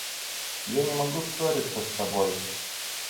Я не могу ссориться с тобой.